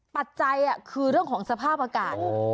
ปัจจัยคือเรื่องของสภาพอากาศ